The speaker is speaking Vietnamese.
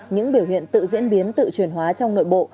những biểu hiện tự diễn biến tự truyền hóa trong nội bộ